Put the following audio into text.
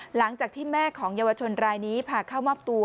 หลังจากที่แม่ของเยาวชนรายนี้พาเข้ามอบตัว